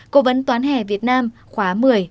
cố vấn toán hẻ việt nam khóa một mươi hai nghìn một mươi tám